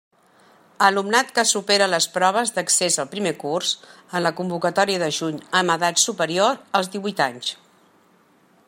Alumnat que supere les proves d'accés al primer curs, en la convocatòria de juny, amb edats superiors als díhuit anys.